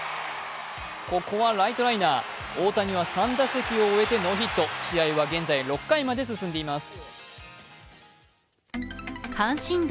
ここはライトライナー大谷は３打席を終えてノーヒット、試合は現在６回まで進んでいます。